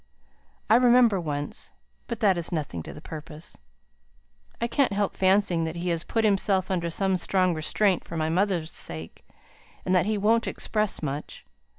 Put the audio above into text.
I remember once but that is nothing to the purpose. I can't help fancying that he has put himself under some strong restraint for my mother's sake, and that he won't express much.